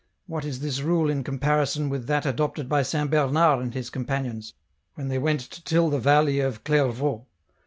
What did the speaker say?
" What is this rule in comparison with that adopted by Saint Bernard and his companions, when they went to till the valley of Clairvaux